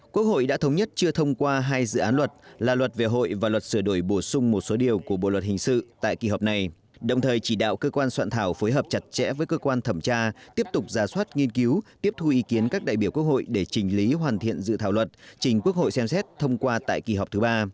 quốc hội đã thống nhất chưa thông qua hai dự án luật là luật về hội và luật sửa đổi bổ sung một số điều của bộ luật hình sự tại kỳ họp này đồng thời chỉ đạo cơ quan soạn thảo phối hợp chặt chẽ với cơ quan thẩm tra tiếp tục ra soát nghiên cứu tiếp thu ý kiến các đại biểu quốc hội để trình lý hoàn thiện dự thảo luật trình quốc hội xem xét thông qua tại kỳ họp thứ ba